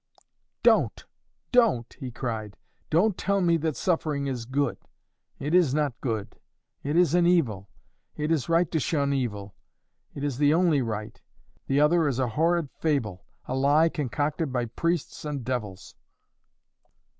"Don't, don't!" he cried "don't tell me that suffering is good. It is not good; it is an evil. It is right to shun evil; it is the only right. The other is a horrid fable a lie concocted by priests and devils!"